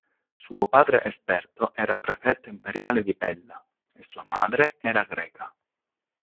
Suo padre Esperto era prefetto imperiale di Pella e sua madre era greca.